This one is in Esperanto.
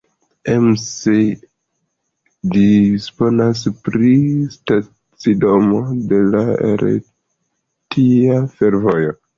Ems disponas pri stacidomo de la Retia Fervojo.